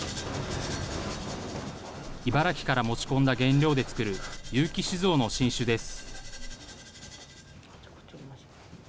茨城から持ち込んだ原料で造る結城酒造の新酒です。